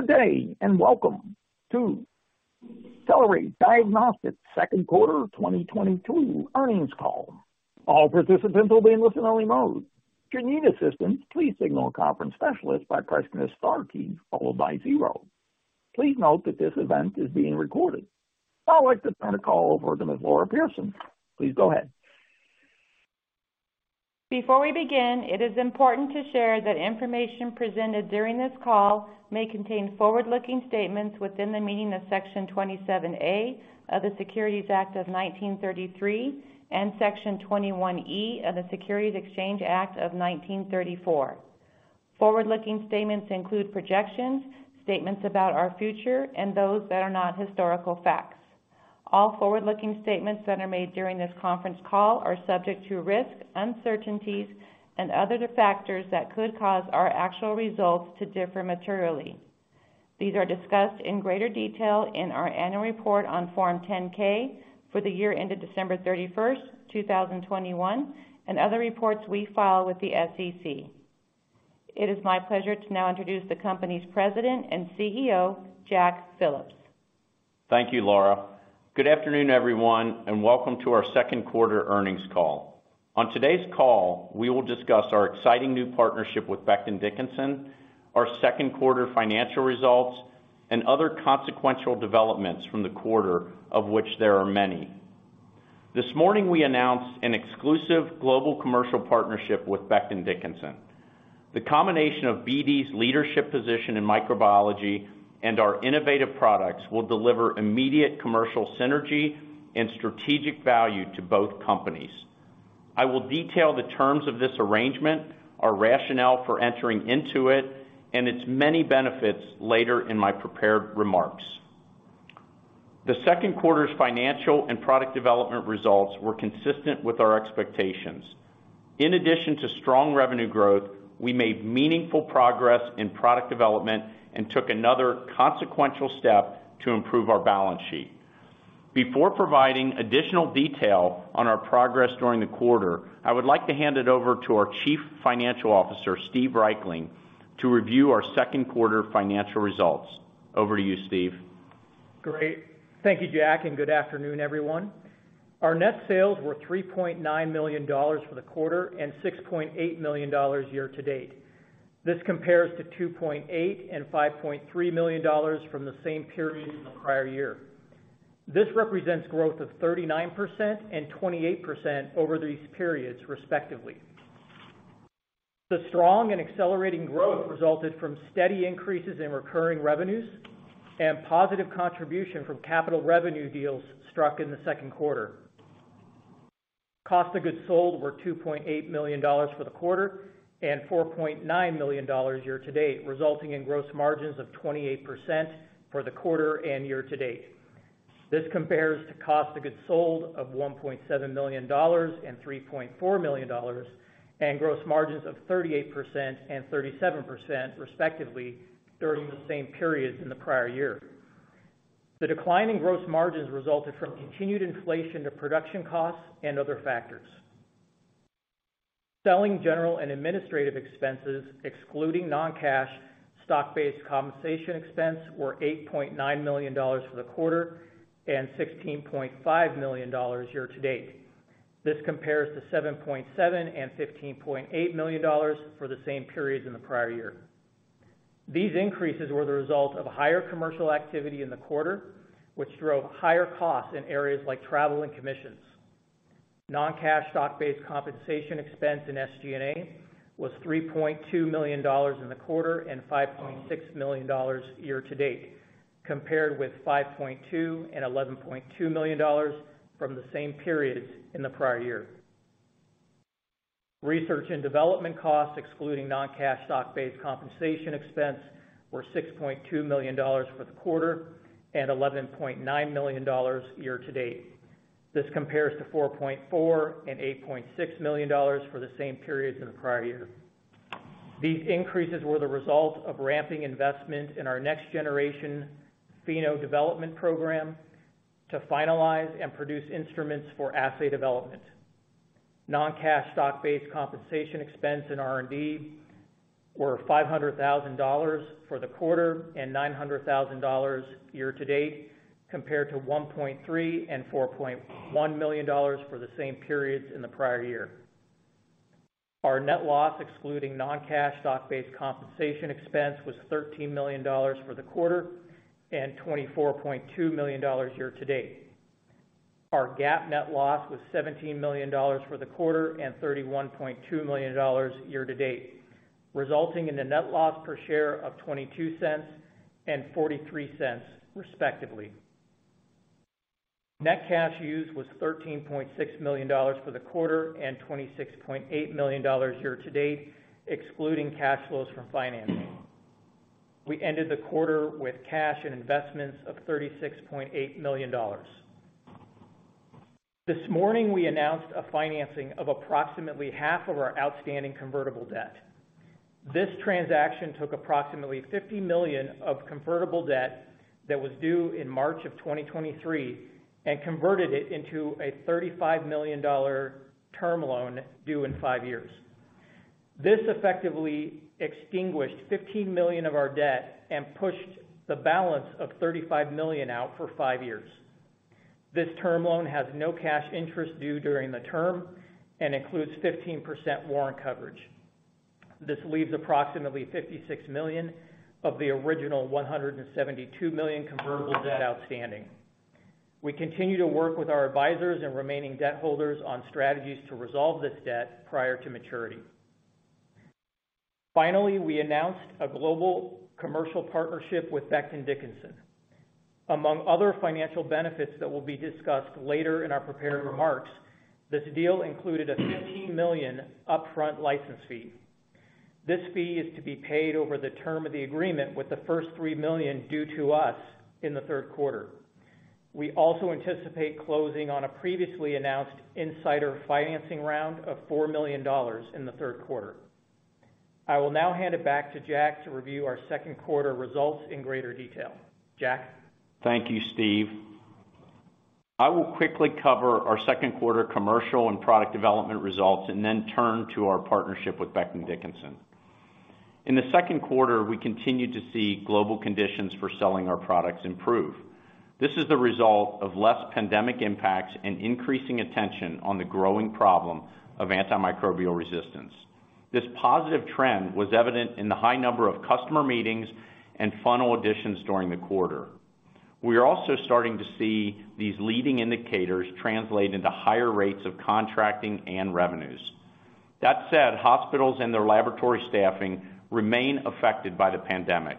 Good day, and welcome to Accelerate Diagnostics second quarter 2022 earnings call. All participants will be in listen-only mode. If you need assistance, please signal a conference specialist by pressing the star key followed by zero. Please note that this event is being recorded. Now I'd like to turn the call over to Ms. Laura Pierson. Please go ahead. Before we begin, it is important to share that information presented during this call may contain forward-looking statements within the meaning of Section 27A of the Securities Act of 1933 and Section 21E of the Securities Exchange Act of 1934. Forward-looking statements include projections, statements about our future, and those that are not historical facts. All forward-looking statements that are made during this conference call are subject to risks, uncertainties and other factors that could cause our actual results to differ materially. These are discussed in greater detail in our annual report on Form 10-K for the year ended December 31, 2021 and other reports we file with the SEC. It is my pleasure to now introduce the company's President and CEO, Jack Phillips. Thank you, Laura. Good afternoon, everyone, and welcome to our second quarter earnings call. On today's call, we will discuss our exciting new partnership with Becton, Dickinson and Company, our second quarter financial results, and other consequential developments from the quarter, of which there are many. This morning, we announced an exclusive global commercial partnership with Becton, Dickinson and Company. The combination of BD's leadership position in microbiology and our innovative products will deliver immediate commercial synergy and strategic value to both companies. I will detail the terms of this arrangement, our rationale for entering into it, and its many benefits later in my prepared remarks. The second quarter's financial and product development results were consistent with our expectations. In addition to strong revenue growth, we made meaningful progress in product development and took another consequential step to improve our balance sheet. Before providing additional detail on our progress during the quarter, I would like to hand it over to our Chief Financial Officer, Steve Reichling, to review our second quarter financial results. Over to you, Steve. Great. Thank you, Jack, and good afternoon, everyone. Our net sales were $3.9 million for the quarter and $6.8 million year to date. This compares to $2.8 million and $5.3 million from the same period in the prior year. This represents growth of 39% and 28% over these periods, respectively. The strong and accelerating growth resulted from steady increases in recurring revenues and positive contribution from capital revenue deals struck in the second quarter. Cost of goods sold were $2.8 million for the quarter and $4.9 million year to date, resulting in gross margins of 28% for the quarter and year to date. This compares to cost of goods sold of $1.7 million and $3.4 million, and gross margins of 38% and 37%, respectively, during the same periods in the prior year. The decline in gross margins resulted from continued inflation to production costs and other factors. Selling, general, and administrative expenses, excluding non-cash stock-based compensation expense, were $8.9 million for the quarter and $16.5 million year to date. This compares to $7.7 million and $15.8 million for the same periods in the prior year. These increases were the result of higher commercial activity in the quarter, which drove higher costs in areas like travel and commissions. Non-cash stock-based compensation expense in SG&A was $3.2 million in the quarter and $5.6 million year to date, compared with $5.2 million and $11.2 million from the same periods in the prior year. Research and development costs, excluding non-cash stock-based compensation expense, were $6.2 million for the quarter and $11.9 million year to date. This compares to $4.4 million and $8.6 million for the same periods in the prior year. These increases were the result of ramping investment in our next generation Pheno development program to finalize and produce instruments for assay development. Non-cash stock-based compensation expense in R&D was $500,000 for the quarter and $900,000 year to date, compared to $1.3 million and $4.1 million for the same periods in the prior year. Our net loss, excluding non-cash stock-based compensation expense, was $13 million for the quarter and $24.2 million year to date. Our GAAP net loss was $17 million for the quarter and $31.2 million year to date, resulting in a net loss per share of $0.22 and $0.43, respectively. Net cash used was $13.6 million for the quarter and $26.8 million year to date, excluding cash flows from financing. We ended the quarter with cash and investments of $36.8 million. This morning, we announced a financing of approximately half of our outstanding convertible debt. This transaction took approximately $50 million of convertible debt that was due in March of 2023 and converted it into a $35 million term loan due in five years. This effectively extinguished $15 million of our debt and pushed the balance of $35 million out for five years. This term loan has no cash interest due during the term and includes 15% warrant coverage. This leaves approximately $56 million of the original $172 million convertible debt outstanding. We continue to work with our advisors and remaining debt holders on strategies to resolve this debt prior to maturity. Finally, we announced a global commercial partnership with Becton Dickinson. Among other financial benefits that will be discussed later in our prepared remarks, this deal included a $15 million upfront license fee. This fee is to be paid over the term of the agreement with the first $3 million due to us in the third quarter. We also anticipate closing on a previously announced insider financing round of $4 million in the third quarter. I will now hand it back to Jack to review our second quarter results in greater detail. Jack. Thank you, Steve. I will quickly cover our second quarter commercial and product development results and then turn to our partnership with Becton, Dickinson and Company. In the second quarter, we continued to see global conditions for selling our products improve. This is the result of less pandemic impacts and increasing attention on the growing problem of antimicrobial resistance. This positive trend was evident in the high number of customer meetings and funnel additions during the quarter. We are also starting to see these leading indicators translate into higher rates of contracting and revenues. That said, hospitals and their laboratory staffing remain affected by the pandemic.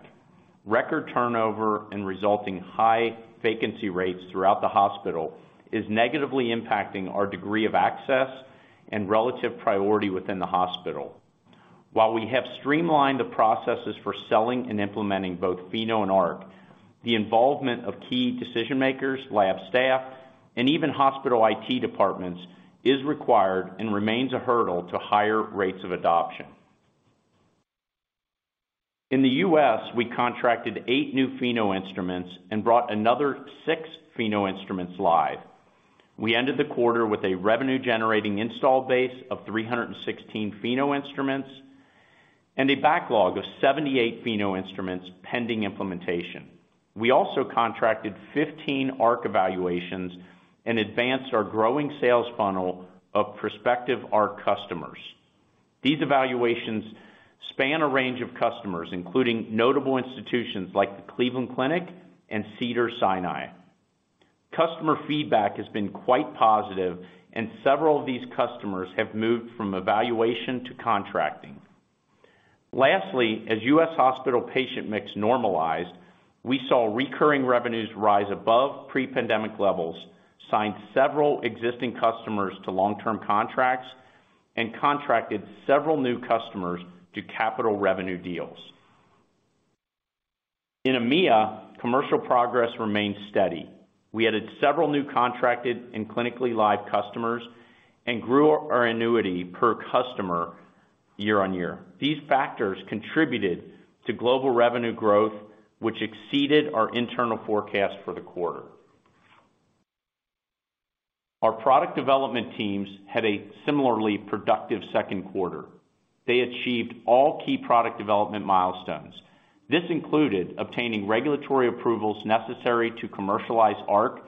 Record turnover and resulting high vacancy rates throughout the hospital is negatively impacting our degree of access and relative priority within the hospital. While we have streamlined the processes for selling and implementing both Pheno and Arc, the involvement of key decision-makers, lab staff, and even hospital IT departments is required and remains a hurdle to higher rates of adoption. In the U.S., we contracted 8 new Pheno instruments and brought another 6 Pheno instruments live. We ended the quarter with a revenue-generating install base of 316 Pheno instruments and a backlog of 78 Pheno instruments pending implementation. We also contracted 15 Arc evaluations and advanced our growing sales funnel of prospective Arc customers. These evaluations span a range of customers, including notable institutions like the Cleveland Clinic and Cedars-Sinai. Customer feedback has been quite positive and several of these customers have moved from evaluation to contracting. Lastly, as U.S. hospital patient mix normalized, we saw recurring revenues rise above pre-pandemic levels, signed several existing customers to long-term contracts and contracted several new customers to capital revenue deals. In EMEA, commercial progress remained steady. We added several new contracted and clinically live customers and grew our annuity per customer year-over-year. These factors contributed to global revenue growth, which exceeded our internal forecast for the quarter. Our product development teams had a similarly productive second quarter. They achieved all key product development milestones. This included obtaining regulatory approvals necessary to commercialize Arc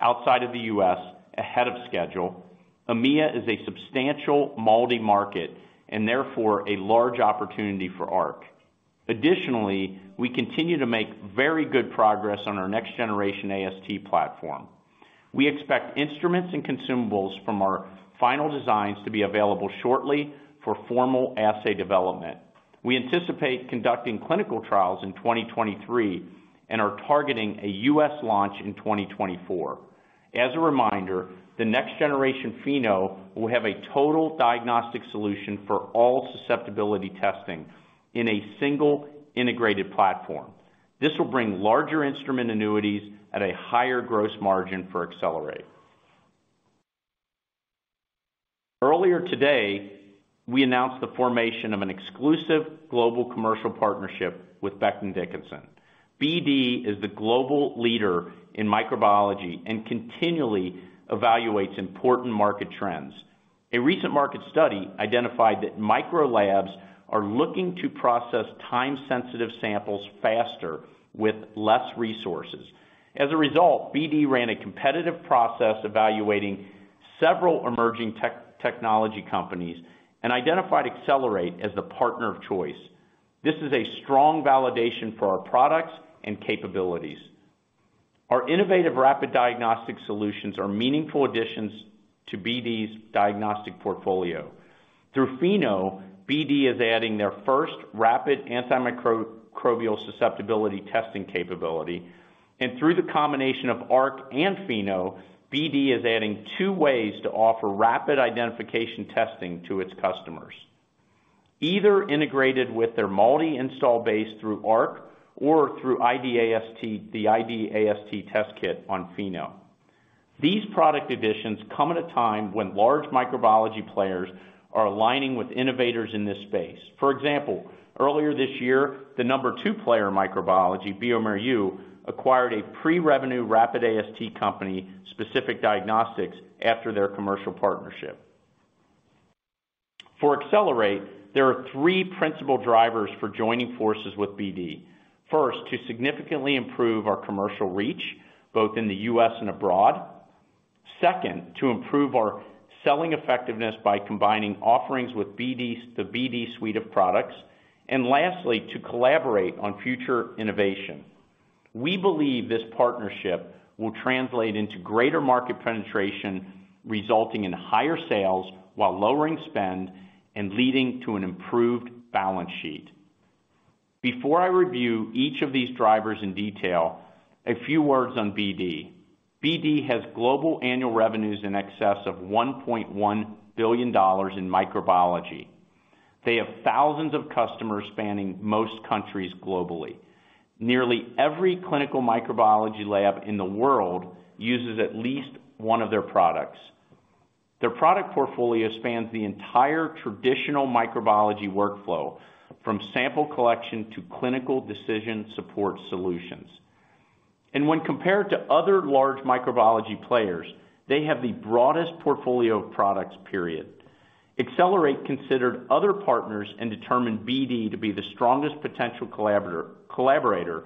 outside of the U.S. ahead of schedule. EMEA is a substantial MALDI market and therefore a large opportunity for Arc. Additionally, we continue to make very good progress on our next generation AST platform. We expect instruments and consumables from our final designs to be available shortly for formal assay development. We anticipate conducting clinical trials in 2023 and are targeting a U.S. launch in 2024. As a reminder, the next-generation Pheno will have a total diagnostic solution for all susceptibility testing in a single integrated platform. This will bring larger instrument annuities at a higher gross margin for Accelerate. Earlier today, we announced the formation of an exclusive global commercial partnership with Becton, Dickinson and Company. BD is the global leader in microbiology and continually evaluates important market trends. A recent market study identified that micro labs are looking to process time-sensitive samples faster with less resources. As a result, BD ran a competitive process evaluating several emerging technology companies and identified Accelerate as the partner of choice. This is a strong validation for our products and capabilities. Our innovative rapid diagnostic solutions are meaningful additions to BD's diagnostic portfolio. Through Pheno, BD is adding their first rapid antimicrobial susceptibility testing capability. Through the combination of Arc and Pheno, BD is adding two ways to offer rapid identification testing to its customers, either integrated with their MALDI install base through Arc or through ID/AST, the ID/AST test kit on Pheno. These product additions come at a time when large microbiology players are aligning with innovators in this space. For example, earlier this year, the number two player in microbiology, bioMérieux, acquired a pre-revenue rapid AST company, Specific Diagnostics, after their commercial partnership. For Accelerate, there are three principal drivers for joining forces with BD. First, to significantly improve our commercial reach, both in the U.S. and abroad. Second, to improve our selling effectiveness by combining offerings with BD's, the BD suite of products. Lastly, to collaborate on future innovation. We believe this partnership will translate into greater market penetration, resulting in higher sales while lowering spend and leading to an improved balance sheet. Before I review each of these drivers in detail, a few words on BD. BD has global annual revenues in excess of $1.1 billion in microbiology. They have thousands of customers spanning most countries globally. Nearly every clinical microbiology lab in the world uses at least one of their products. Their product portfolio spans the entire traditional microbiology workflow, from sample collection to clinical decision support solutions. When compared to other large microbiology players, they have the broadest portfolio of products, period. Accelerate considered other partners and determined BD to be the strongest potential collaborator,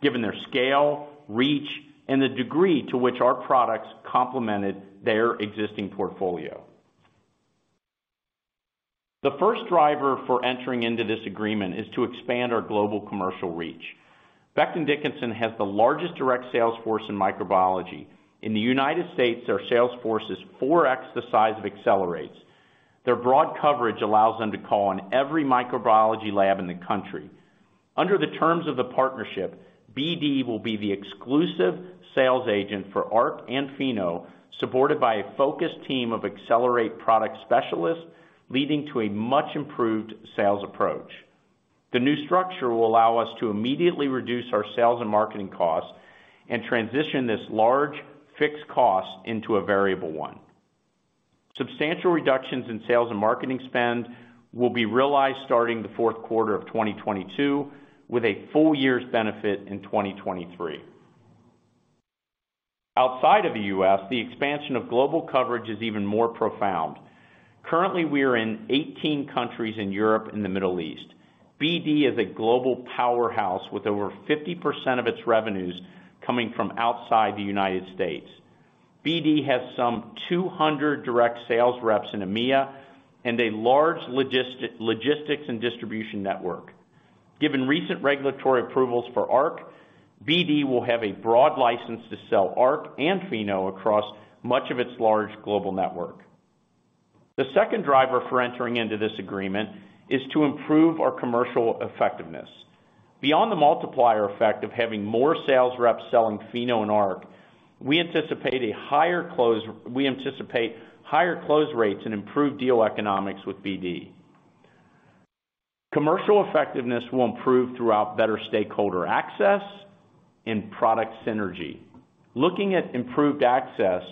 given their scale, reach, and the degree to which our products complemented their existing portfolio. The first driver for entering into this agreement is to expand our global commercial reach. Becton Dickinson has the largest direct sales force in microbiology. In the United States, their sales force is 4x the size of Accelerate's. Their broad coverage allows them to call on every microbiology lab in the country. Under the terms of the partnership, BD will be the exclusive sales agent for Arc and Pheno, supported by a focused team of Accelerate product specialists, leading to a much-improved sales approach. The new structure will allow us to immediately reduce our sales and marketing costs and transition this large fixed cost into a variable one. Substantial reductions in sales and marketing spend will be realized starting the fourth quarter of 2022, with a full year's benefit in 2023. Outside of the U.S., the expansion of global coverage is even more profound. Currently, we are in 18 countries in Europe and the Middle East. BD is a global powerhouse, with over 50% of its revenues coming from outside the United States. BD has some 200 direct sales reps in EMEA and a large logistics and distribution network. Given recent regulatory approvals for Arc, BD will have a broad license to sell Arc and Pheno across much of its large global network. The second driver for entering into this agreement is to improve our commercial effectiveness. Beyond the multiplier effect of having more sales reps selling Pheno and Arc, we anticipate higher close rates and improved deal economics with BD. Commercial effectiveness will improve through better stakeholder access and product synergy. Looking at improved access,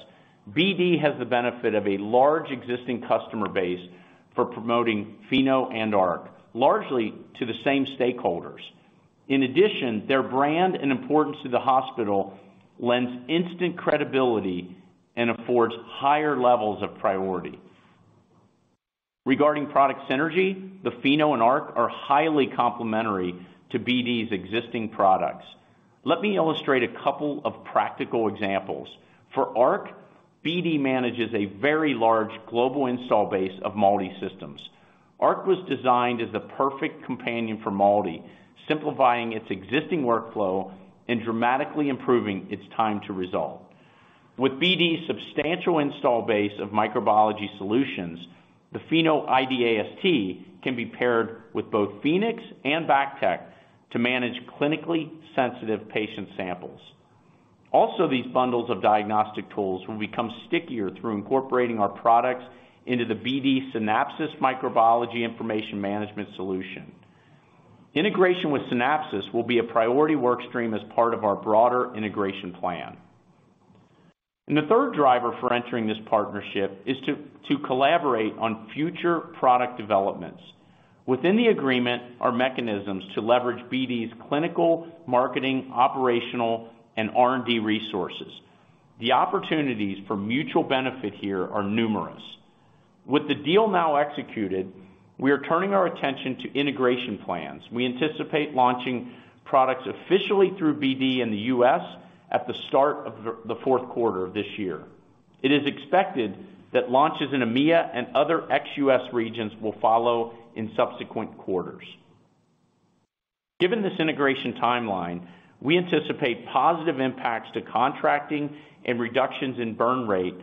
BD has the benefit of a large existing customer base for promoting Pheno and Arc, largely to the same stakeholders. In addition, their brand and importance to the hospital lends instant credibility and affords higher levels of priority. Regarding product synergy, the Pheno and Arc are highly complementary to BD's existing products. Let me illustrate a couple of practical examples. For Arc, BD manages a very large global installed base of MALDI systems. Arc was designed as the perfect companion for MALDI, simplifying its existing workflow and dramatically improving its time to resolve. With BD's substantial installed base of microbiology solutions, the Pheno ID/AST can be paired with both Phoenix and BACTEC to manage clinically sensitive patient samples. Also, these bundles of diagnostic tools will become stickier through incorporating our products into the BD Synapsys Microbiology Information Management solution. Integration with Synapsys will be a priority work stream as part of our broader integration plan. The third driver for entering this partnership is to collaborate on future product developments. Within the agreement are mechanisms to leverage BD's clinical, marketing, operational, and R&D resources. The opportunities for mutual benefit here are numerous. With the deal now executed, we are turning our attention to integration plans. We anticipate launching products officially through BD in the U.S. at the start of the fourth quarter of this year. It is expected that launches in EMEA and other ex-US regions will follow in subsequent quarters. Given this integration timeline, we anticipate positive impacts to contracting and reductions in burn rate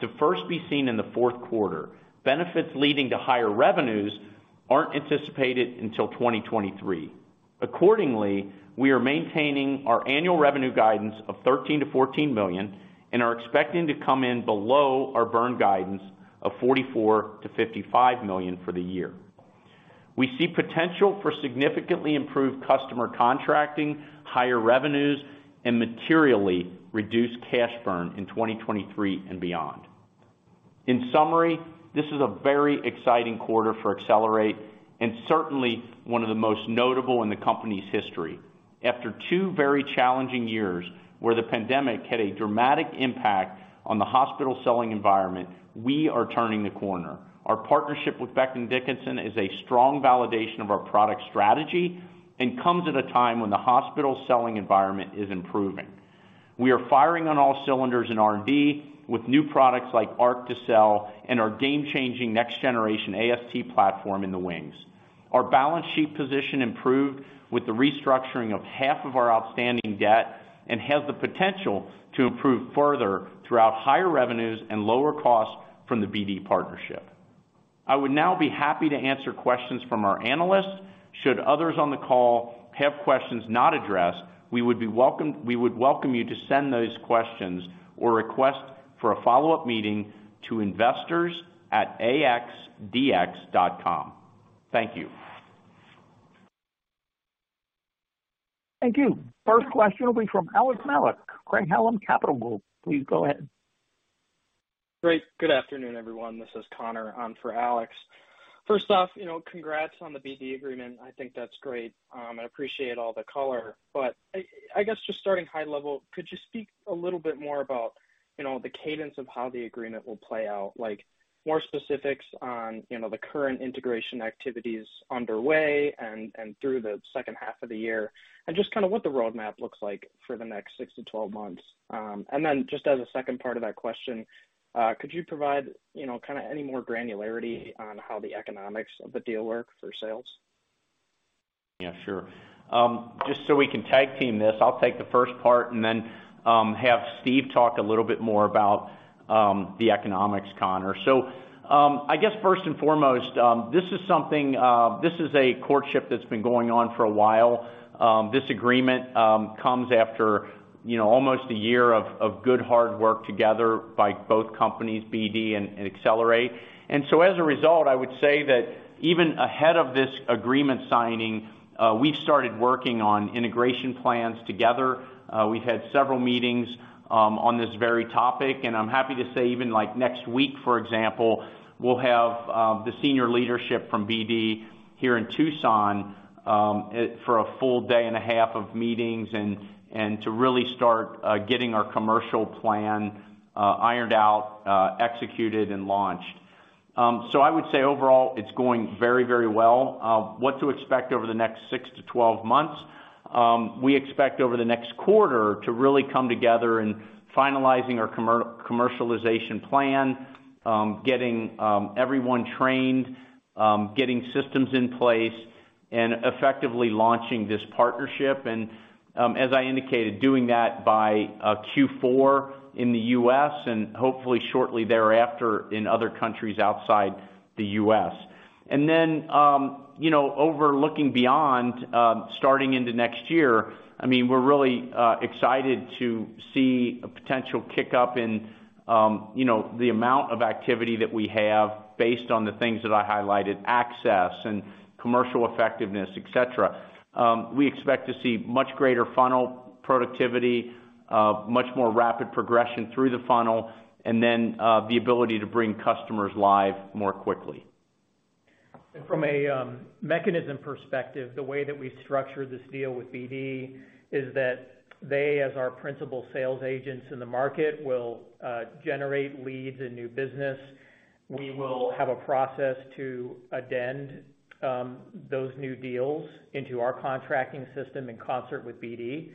to first be seen in the fourth quarter. Benefits leading to higher revenues aren't anticipated until 2023. Accordingly, we are maintaining our annual revenue guidance of $13 million-$14 million and are expecting to come in below our burn guidance of $44 million-$55 million for the year. We see potential for significantly improved customer contracting, higher revenues, and materially reduced cash burn in 2023 and beyond. In summary, this is a very exciting quarter for Accelerate and certainly one of the most notable in the company's history. After two very challenging years where the pandemic had a dramatic impact on the hospital selling environment, we are turning the corner. Our partnership with Becton, Dickinson is a strong validation of our product strategy and comes at a time when the hospital selling environment is improving. We are firing on all cylinders in R&D with new products like Arc to sell and our game-changing next generation AST platform in the wings. Our balance sheet position improved with the restructuring of half of our outstanding debt and has the potential to improve further throughout higher revenues and lower costs from the BD partnership. I would now be happy to answer questions from our analysts. Should others on the call have questions not addressed, we would welcome you to send those questions or request for a follow-up meeting to investors@axdx.com. Thank you. Thank you. First question will be from Alex Nowak, Craig-Hallum Capital Group. Please go ahead. Great. Good afternoon, everyone. This is Connor for Alex. First off, congrats on the BD agreement. I think that's great. I appreciate all the color. Just starting high level, could you speak a little bit more about the cadence of how the agreement will play out? Like, more specifics on the current integration activities underway and through the second half of the year, and just kinda what the roadmap looks like for the next 6 to 12 months. And then just as a second part of that question, could you provide any more granularity on how the economics of the deal work for sales? Yeah, sure. Just so we can tag team this, I'll take the first part and then have Steve talk a little bit more about the economics, Connor. First and foremost, this is a courtship that's been going on for a while. This agreement comes after almost a year of good hard work together by both companies, BD and Accelerate. As a result, I would say that even ahead of this agreement signing, we started working on integration plans together. We've had several meetings on this very topic, and I'm happy to say even like next week, for example, we'll have the senior leadership from BD here in Tucson for a full day and a half of meetings and to really start getting our commercial plan ironed out, executed and launched. I would say overall, it's going very, very well. What to expect over the next 6 to 12 months, we expect over the next quarter to really come together in finalizing our commercialization plan, getting everyone trained, getting systems in place and effectively launching this partnership. As I indicated, doing that by Q4 in the U.S. and hopefully shortly thereafter in other countries outside the U.S. Overlooking beyond, starting into next year we're really excited to see a potential kick up in the amount of activity that we have based on the things that I highlighted, access and commercial effectiveness, et cetera. We expect to see much greater funnel productivity, much more rapid progression through the funnel, and then, the ability to bring customers live more quickly. From a mechanism perspective, the way that we've structured this deal with BD is that they, as our principal sales agents in the market, will generate leads and new business. We will have a process to append those new deals into our contracting system in concert with BD.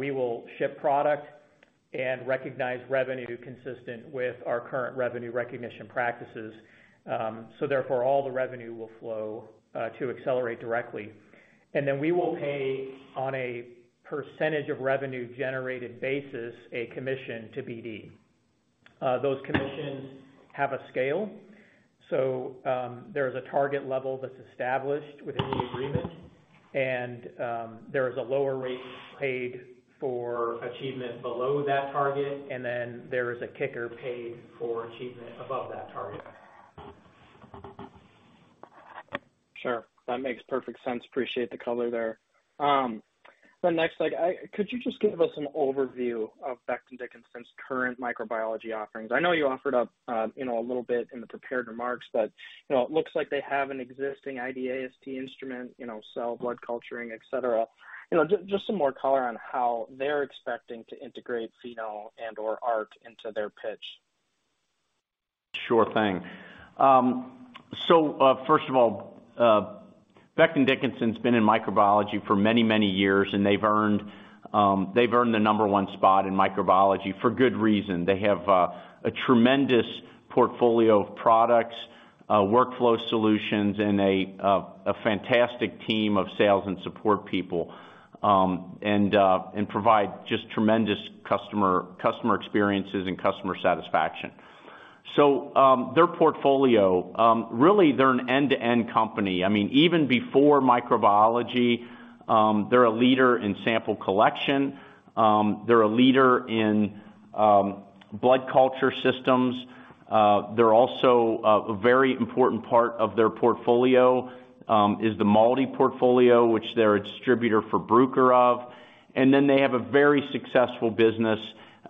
We will ship product and recognize revenue consistent with our current revenue recognition practices. Therefore, all the revenue will flow to Accelerate directly. Then we will pay on a percentage of revenue generated basis a commission to BD. Those commissions have a scale. There's a target level that's established within the agreement, and there is a lower rate paid for achievement below that target, and then there is a kicker paid for achievement above that target. Sure. That makes perfect sense. Appreciate the color there. The next slide. Could you just give us an overview of Becton Dickinson's current microbiology offerings? I know you offered up a little bit in the prepared remarks, but it looks like they have an existing ID/AST instrument blood culturing, et cetera. Just some more color on how they're expecting to integrate Pheno and/or Arc into their pitch. Sure thing. First of all, Becton Dickinson's been in microbiology for many, many years, and they've earned the number one spot in microbiology for good reason. They have a tremendous portfolio of products, workflow solutions, and a fantastic team of sales and support people, and provide just tremendous customer experiences and customer satisfaction. Their portfolio really, they're an end-to-end company. Even before microbiology, they're a leader in sample collection, they're a leader in blood culture systems. They're also a very important part of their portfolio is the MALDI portfolio, which they're a distributor for Bruker of. And then they have a very successful business,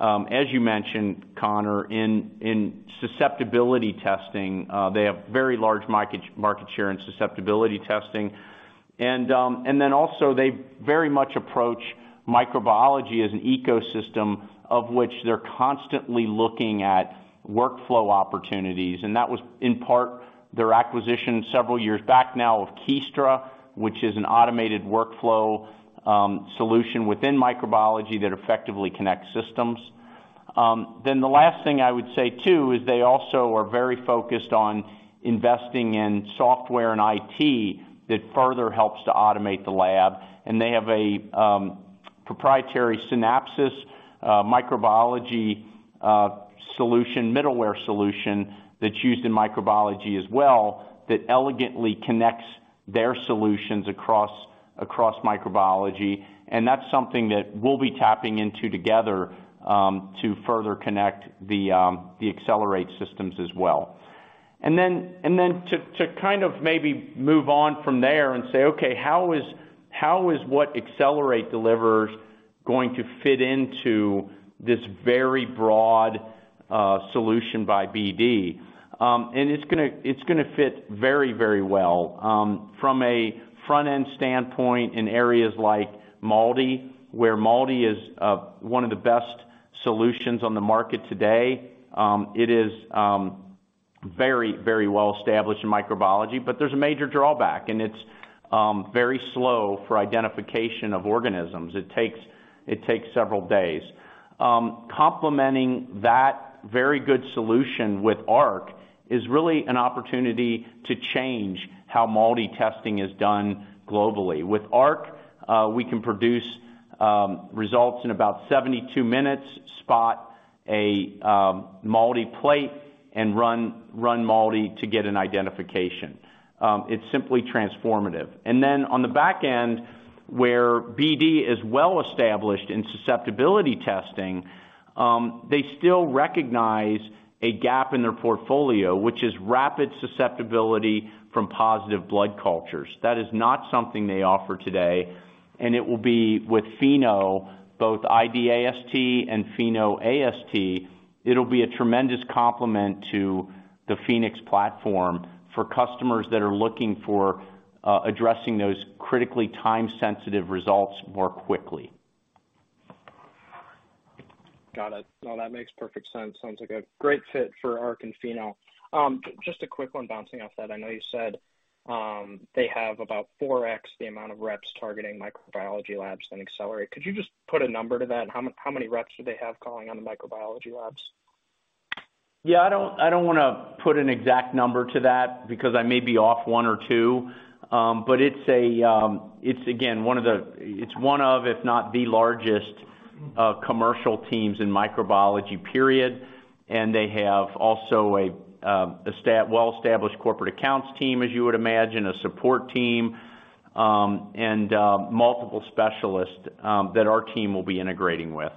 as you mentioned, Connor, in susceptibility testing. They have very large market share in susceptibility testing. They very much approach microbiology as an ecosystem of which they're constantly looking at workflow opportunities. That was, in part, their acquisition several years back now of Kiestra, which is an automated workflow solution within microbiology that effectively connects systems. The last thing I would say too is they also are very focused on investing in software and IT that further helps to automate the lab. They have a proprietary Synapsys microbiology solution, middleware solution that's used in microbiology as well that elegantly connects their solutions across microbiology. That's something that we'll be tapping into together to further connect the Accelerate systems as well. To maybe move on from there and say, okay, how is what Accelerate delivers going to fit into this very broad solution by BD? It's gonna fit very, very well. From a front-end standpoint in areas like MALDI, where MALDI is one of the best solutions on the market today. It is very, very well established in microbiology. There's a major drawback, and it's very slow for identification of organisms. It takes several days. Complementing that very good solution with Arc is really an opportunity to change how MALDI testing is done globally. With Arc, we can produce results in about 72 minutes, spot a MALDI plate and run MALDI to get an identification. It's simply transformative. On the back end, where BD is well established in susceptibility testing, they still recognize a gap in their portfolio, which is rapid susceptibility from positive blood cultures. That is not something they offer today, and it will be with Pheno, both ID/AST and Pheno AST. It'll be a tremendous complement to the Phoenix platform for customers that are looking for addressing those critically time-sensitive results more quickly. Got it. No, that makes perfect sense. Sounds like a great fit for Arc and Pheno. Just a quick one bouncing off that. I know you said they have about 4x the amount of reps targeting microbiology labs than Accelerate. Could you just put a number to that? How many reps do they have calling on the microbiology labs? Yeah, I don't wanna put an exact number to that because I may be off one or two. It's one of, if not the largest, commercial teams in microbiology period. They have also a well-established corporate accounts team, as you would imagine, a support team, and multiple specialists that our team will be integrating with.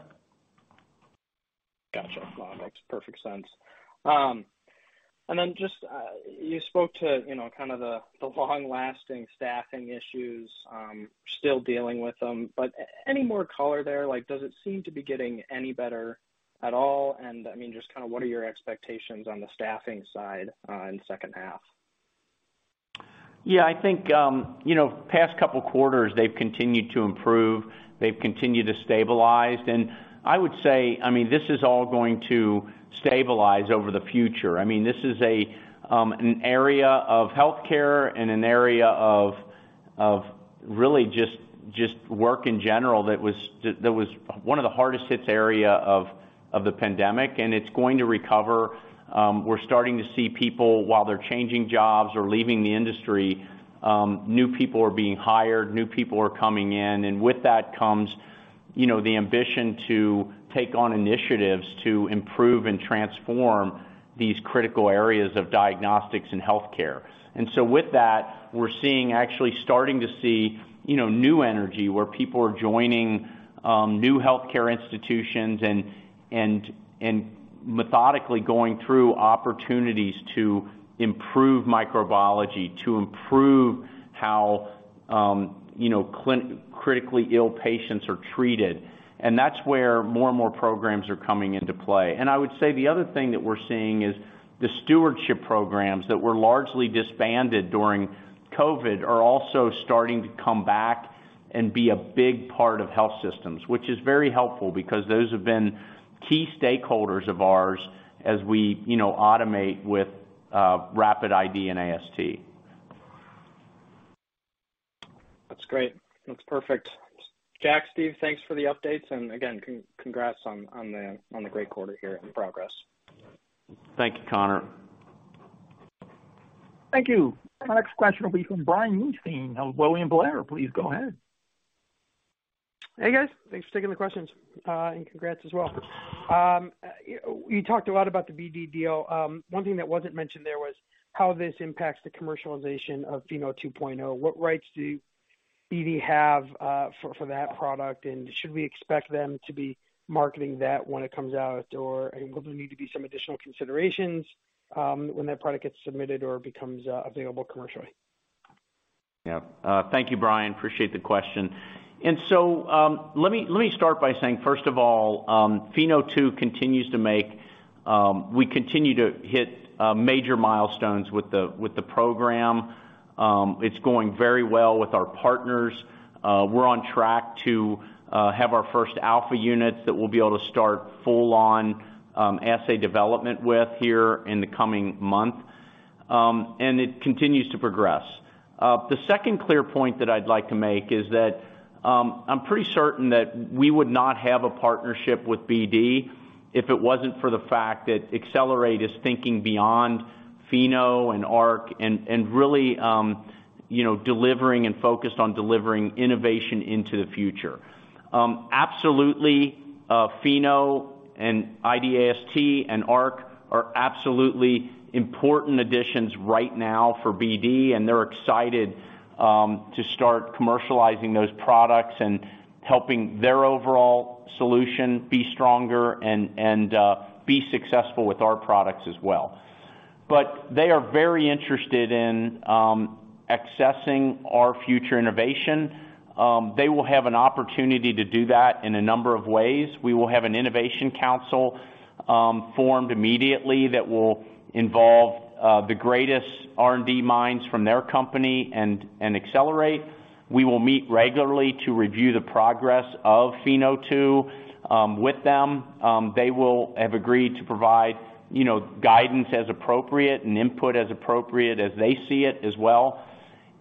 Gotcha. No, makes perfect sense. Just you spoke to the long-lasting staffing issues, still dealing with them. Any more color there? Like, does it seem to be getting any better at all? I mean, just kinda what are your expectations on the staffing side, in second half? Yeah, I think past couple quarters, they've continued to improve. They've continued to stabilize. I would say this is all going to stabilize over the future. This is an area of healthcare and an area of really just work in general that was one of the hardest-hit areas of the pandemic, and it's going to recover. We're starting to see people, while they're changing jobs or leaving the industry, new people are being hired, new people are coming in. With that comes the ambition to take on initiatives to improve and transform these critical areas of diagnostics and healthcare. With that, we're actually starting to see new energy where people are joining new healthcare institutions and methodically going through opportunities to improve microbiology, to improve how critically ill patients are treated. That's where more and more programs are coming into play. I would say the other thing that we're seeing is the stewardship programs that were largely disbanded during COVID are also starting to come back and be a big part of health systems, which is very helpful because those have been key stakeholders of ours as we automate with rapid ID and AST. That's great. That's perfect. Jack, Steve, thanks for the updates. Again, congrats on the great quarter here and progress. Thank you, Connor. Thank you. Our next question will be from Brian Weinstein of William Blair. Please go ahead. Hey, guys. Thanks for taking the questions, and congrats as well. You talked a lot about the BD deal. One thing that wasn't mentioned there was how this impacts the commercialization of Pheno 2.0. What rights do BD have for that product, and should we expect them to be marketing that when it comes out or will there need to be some additional considerations when that product gets submitted or becomes available commercially? Yeah. Thank you, Brian. Appreciate the question. Let me start by saying, first of all, we continue to hit major milestones with the program. It's going very well with our partners. We're on track to have our first alpha units that we'll be able to start full-on assay development with here in the coming month. It continues to progress. The second clear point that I'd like to make is that I'm pretty certain that we would not have a partnership with BD if it wasn't for the fact that Accelerate is thinking beyond Pheno and Arc and really delivering and focused on delivering innovation into the future. Absolutely, Pheno and ID/AST and Arc are absolutely important additions right now for BD, and they're excited to start commercializing those products and helping their overall solution be stronger and be successful with our products as well. They are very interested in accessing our future innovation. They will have an opportunity to do that in a number of ways. We will have an innovation council formed immediately that will involve the greatest R&D minds from their company and Accelerate. We will meet regularly to review the progress of Pheno 2.0 With them. They will have agreed to provide guidance as appropriate and input as appropriate as they see it as well.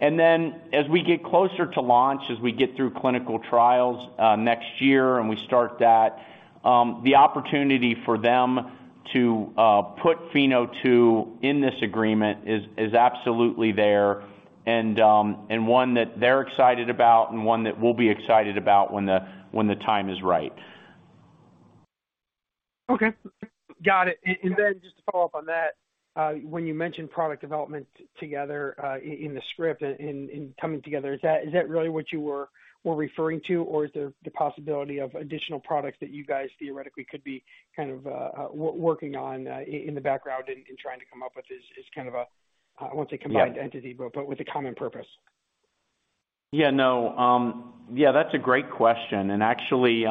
As we get closer to launch, as we get through clinical trials next year and we start that, the opportunity for them to put Pheno 2.0 in this agreement is absolutely there and one that they're excited about and one that we'll be excited about when the time is right. Okay. Got it. Then just to follow up on that, when you mentioned product development together, in the script and coming together, is that really what you were referring to? Is there the possibility of additional products that you guys theoretically could be working on, in the background and trying to come up with this as a, I won't say combined. Yeah Entity, but with a common purpose? Yeah, no. Yeah, that's a great question. Actually,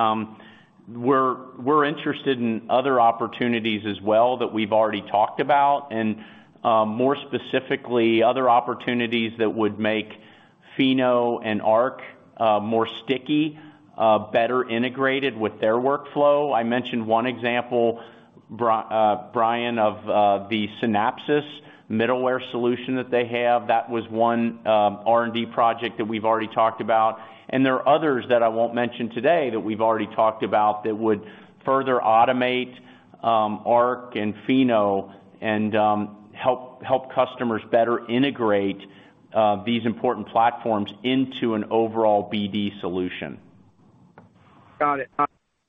we're interested in other opportunities as well that we've already talked about, and more specifically, other opportunities that would make Pheno and Arc more sticky, better integrated with their workflow. I mentioned one example, Brian, of the Synapsys middleware solution that they have. That was one R&D project that we've already talked about. There are others that I won't mention today that we've already talked about that would further automate Arc and Pheno and help customers better integrate these important platforms into an overall BD solution. Got it.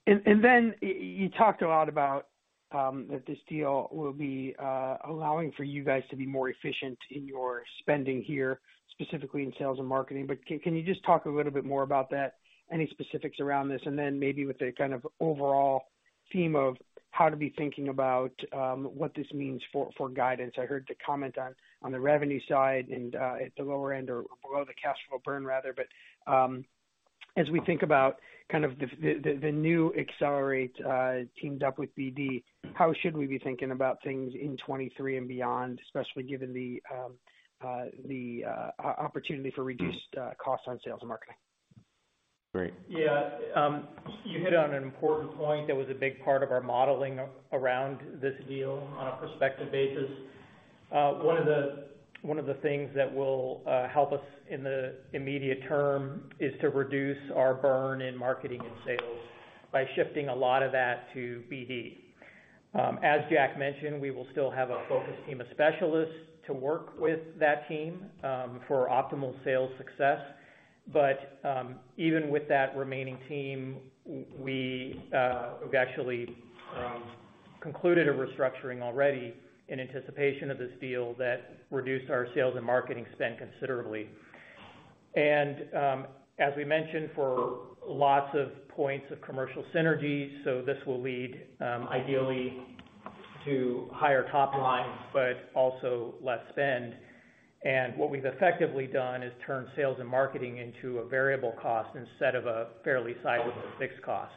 Then you talked a lot about that this deal will be allowing for you guys to be more efficient in your spending here, specifically in sales and marketing, but can you just talk a little bit more about that? Any specifics around this, and then maybe with a overall theme of how to be thinking about what this means for guidance. I heard the comment on the revenue side and at the lower end or below the cash flow burn rather. As we think about the new Accelerate teamed up with BD, how should we be thinking about things in 2023 and beyond, especially given the opportunity for reduced costs on sales and marketing? Great. Yeah. You hit on an important point that was a big part of our modeling around this deal on a prospective basis. One of the things that will help us in the immediate term is to reduce our burn in marketing and sales by shifting a lot of that to BD. As Jack mentioned, we will still have a focused team of specialists to work with that team for optimal sales success. Even with that remaining team, we have actually concluded a restructuring already in anticipation of this deal that reduced our sales and marketing spend considerably. As we mentioned, for lots of points of commercial synergies, this will lead, ideally to higher top lines, but also less spend. What we've effectively done is turn sales and marketing into a variable cost instead of a fairly sizable fixed cost.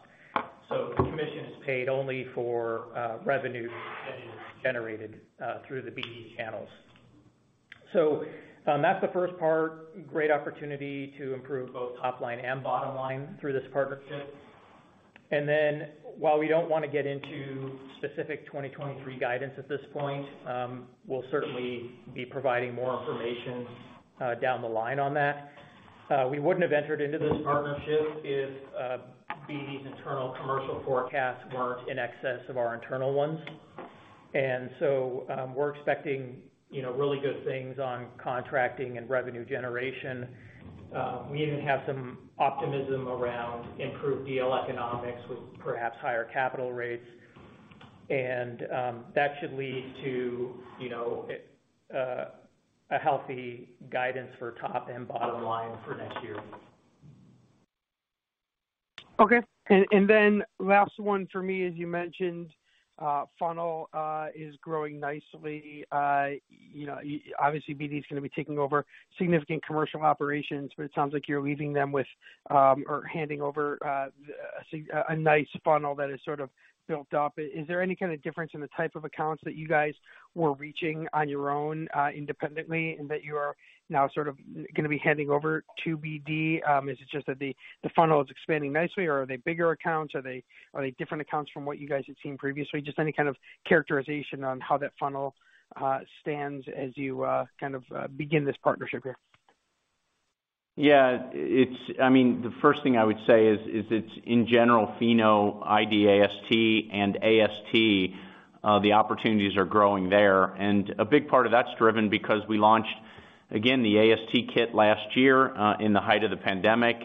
Commission is paid only for revenue that is generated through the BD channels. That's the first part. Great opportunity to improve both top line and bottom line through this partnership. While we don't wanna get into specific 2023 guidance at this point, we'll certainly be providing more information down the line on that. We wouldn't have entered into this partnership if BD's internal commercial forecasts weren't in excess of our internal ones. We're expecting really good things on contracting and revenue generation. We even have some optimism around improved deal economics with perhaps higher capital rates. That should lead to a healthy guidance for top and bottom line for next year. Okay. Then last one for me, as you mentioned, funnel is growing nicely. Obviously, BD is gonna be taking over significant commercial operations, but it sounds like you're leaving them with, or handing over, a nice funnel that is built up. Is there any kind of difference in the type of accounts that you guys were reaching on your own, independently and that you are now gonna be handing over to BD? Is it just that the funnel is expanding nicely or are they bigger accounts? Are they different accounts from what you guys had seen previously? Just any kind of characterization on how that funnel stands as you begin this partnership here. Yeah. The first thing I would say is it's in general Pheno ID/AST and AST, the opportunities are growing there. A big part of that's driven because we launched, again, the AST kit last year, in the height of the pandemic.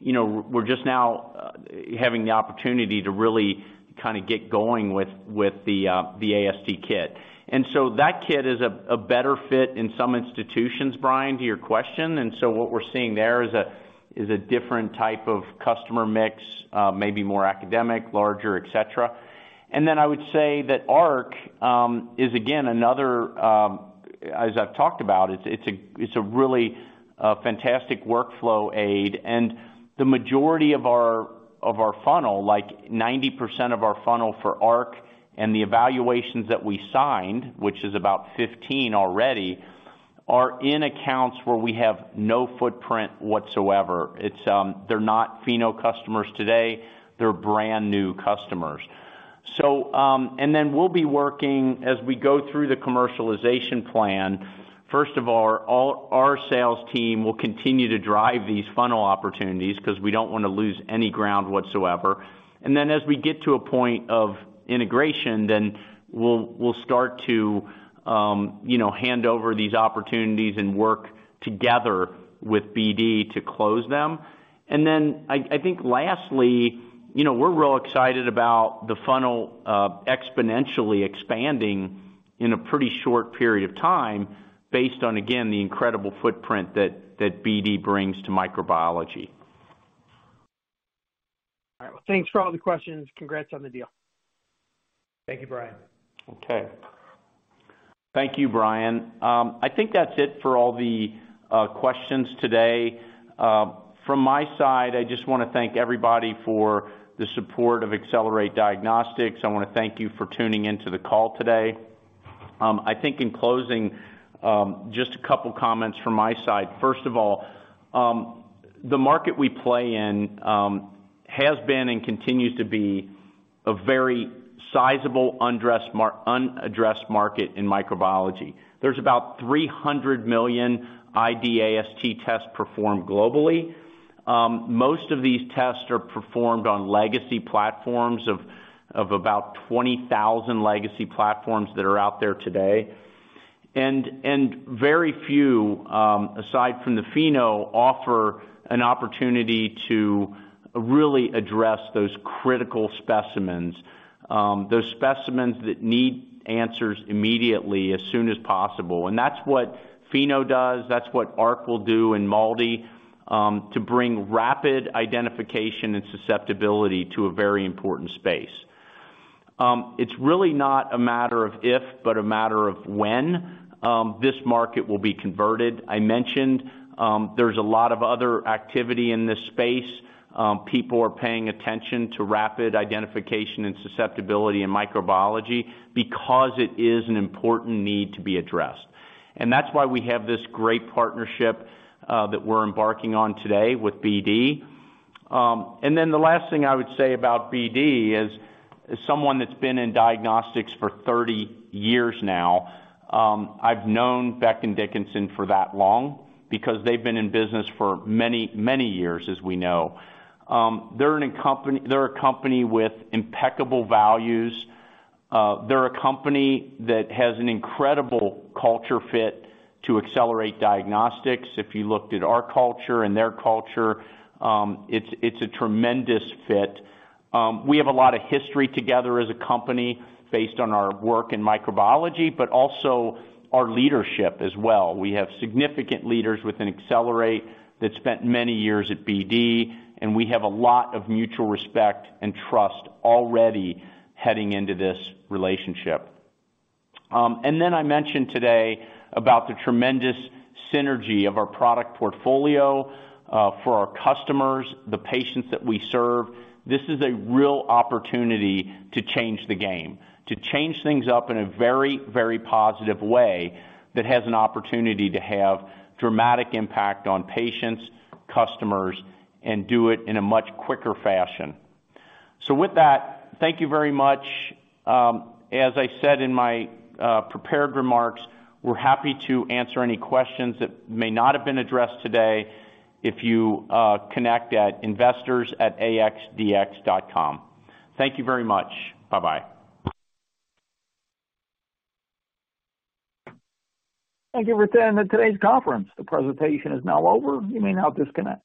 We're just now having the opportunity to really kinda get going with the AST kit. So that kit is a better fit in some institutions, Brian, to your question. So what we're seeing there is a different type of customer mix, maybe more academic, larger, et cetera. Then I would say that Arc is again another, as I've talked about, it's a really fantastic workflow aid. The majority of our funnel, like 90% of our funnel for ARC and the evaluations that we signed, which is about 15 already, are in accounts where we have no footprint whatsoever. They're not Pheno customers today. They're brand new customers. Then we'll be working as we go through the commercialization plan. First of all, our sales team will continue to drive these funnel opportunities 'cause we don't wanna lose any ground whatsoever. Then as we get to a point of integration, we'll start to hand over these opportunities and work together with BD to close them. I think lastly, we're real excited about the funnel exponentially expanding in a pretty short period of time based on, again, the incredible footprint that BD brings to microbiology. All right. Thanks for all the questions. Congrats on the deal. Thank you, Brian. Okay. Thank you, Brian. I think that's it for all the questions today. From my side, I just wanna thank everybody for the support of Accelerate Diagnostics. I wanna thank you for tuning in to the call today. I think in closing, just a couple comments from my side. First of all, the market we play in has been and continues to be a very sizable unaddressed market in microbiology. There's about 300 million ID/AST tests performed globally. Most of these tests are performed on legacy platforms of about 20,000 legacy platforms that are out there today. Very few, aside from the Pheno, offer an opportunity to really address those critical specimens, those specimens that need answers immediately as soon as possible. That's what Pheno does. That's what ARC will do in MALDI to bring rapid identification and susceptibility to a very important space. It's really not a matter of if, but a matter of when this market will be converted. I mentioned there's a lot of other activity in this space. People are paying attention to rapid identification and susceptibility in microbiology because it is an important need to be addressed. That's why we have this great partnership that we're embarking on today with BD. Then the last thing I would say about BD is, as someone that's been in diagnostics for 30 years now, I've known Becton Dickinson for that long because they've been in business for many, many years, as we know. They're a company with impeccable values. They're a company that has an incredible culture fit to Accelerate Diagnostics. If you looked at our culture and their culture, it's a tremendous fit. We have a lot of history together as a company based on our work in microbiology, but also our leadership as well. We have significant leaders within Accelerate that spent many years at BD, and we have a lot of mutual respect and trust already heading into this relationship. I mentioned today about the tremendous synergy of our product portfolio, for our customers, the patients that we serve. This is a real opportunity to change the game, to change things up in a very, very positive way that has an opportunity to have dramatic impact on patients, customers, and do it in a much quicker fashion. With that, thank you very much. As I said in my prepared remarks, we're happy to answer any questions that may not have been addressed today if you connect at investors@axdx.com. Thank you very much. Bye-bye. Thank you for attending today's conference. The presentation is now over. You may now disconnect.